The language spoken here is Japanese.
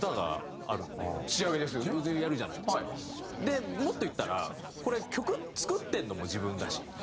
でもっと言ったらこれ曲作ってるのも自分だし。